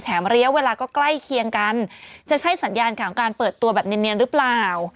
ระยะเวลาก็ใกล้เคียงกันจะใช่สัญญาณของการเปิดตัวแบบเนียนหรือเปล่า